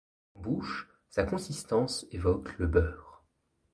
En bouche, sa consistance évoque le beurre.